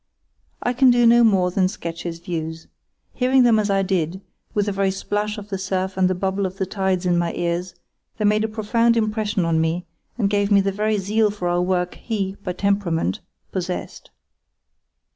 I can do no more than sketch his views. Hearing them as I did, with the very splash of the surf and the bubble of the tides in my ears, they made a profound impression on me, and gave me the very zeal for our work he, by temperament, possessed.